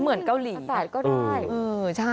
เหมือนเกาหลีค่ะ